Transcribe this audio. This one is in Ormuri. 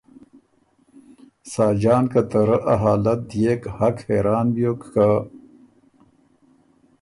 ساجان که ته رۀ ا حالت دئېک حق حېران بیوک که ”